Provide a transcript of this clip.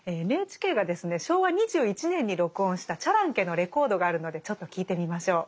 ＮＨＫがですね昭和２１年に録音したチャランケのレコードがあるのでちょっと聴いてみましょう。